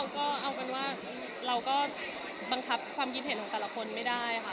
ก็เอาเป็นว่าเราก็บังคับความคิดเห็นของแต่ละคนไม่ได้ค่ะ